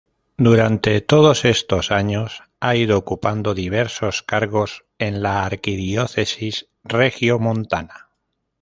Durante todos estos años ha ido ocupando diversos cargos en la arquidiócesis regiomontana.